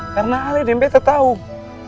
karena alih dempe tetaung